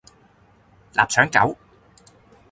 臘腸狗